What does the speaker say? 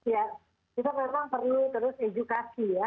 ya kita memang perlu terus edukasi ya